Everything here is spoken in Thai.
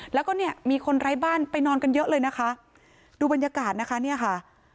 แล้วก็เนี่ยมีคนไร้บ้านไปนอนกันเยอะเลยนะคะดูบรรยากาศนะคะเนี่ยค่ะ